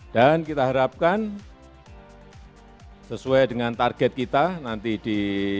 dan kita harapkan sesuai dengan target kita nanti di dua ribu dua puluh